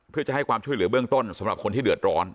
เพื่อจะให้ความช่วยเหลือเบื้องต้นสำหรับคนที่เดือดร้อน